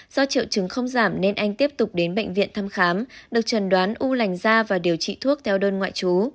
do triệu chứng không giảm nên anh tiếp tục đến bệnh viện thăm khám được trần đoán u lành da và điều trị thuốc theo đơn ngoại chú